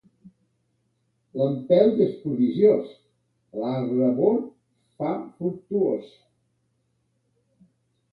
L'empelt és prodigiós: l'arbre bord fa fructuós.